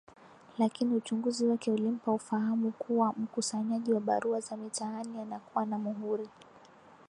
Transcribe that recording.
Lakini uchunguzi wake ulimpa ufahamu kuwa mkusanyaji wa barua za mitaani anakuwa na muhuri